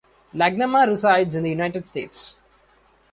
Iagnemma resides in the United States.